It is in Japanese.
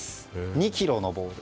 ２ｋｇのボール。